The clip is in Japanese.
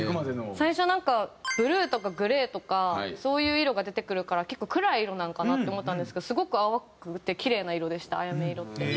最初なんか「ブルー」とか「グレー」とかそういう色が出てくるから結構暗い色なんかなって思ったんですけどすごく淡くてキレイな色でした「アヤメ色」って。